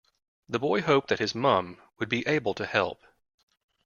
The boy hoped that his mum would be able to help